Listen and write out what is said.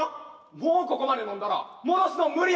もうここまで飲んだら戻すの無理やろ。